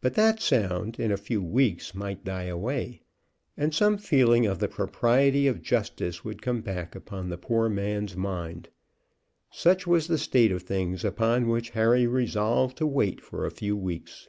But that sound in a few weeks might die away, and some feeling of the propriety of justice would come back upon the poor man's mind. Such was the state of things upon which Harry resolved to wait for a few weeks.